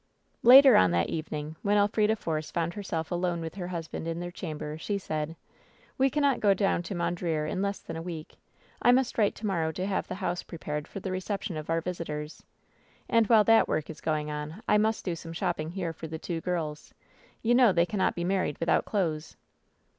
Later on that evening, when Elfrida Force found her self alone with her husband in their chamber, she said : "We cannot go down to Mondreer in less than a week. I must "write to morrow to have the house prepared for the reception of our visitors. And while that work is 880 WHEN SHADOWS DIE going on I must do some shopping here for the two girls. You know they cannot be married without clothes."